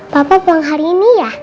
bapak pulang hari ini ya